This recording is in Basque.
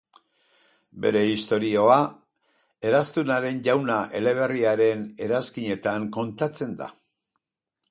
Bere istorioa, Eraztunaren Jauna eleberriaren eranskinetan kontatzen da.